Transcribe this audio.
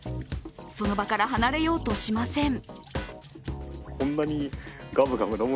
その場から離れようとしません。